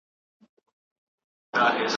دوهم شاه عباس خپله یوه بله ښځه په اور کې وسوځوله.